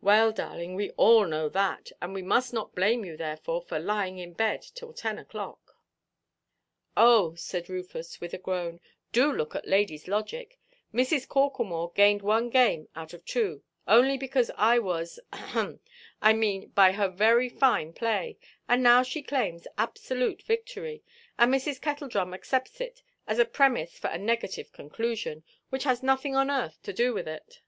"Well, darling, we know all that. And we must not blame you therefore for lying in bed till ten oʼclock." "Oh," said Rufus, with a groan, "do look at ladies' logic! Mrs. Corklemore gained one game out of two—only because I was—ah–hem, I mean by her very fine play—and now she claims absolute victory; and Mrs. Kettledrum accepts it as a premise for a negative conclusion, which has nothing on earth to do with it."